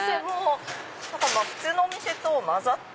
普通のお店と交ざって。